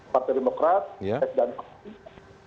partai demokrat dan pks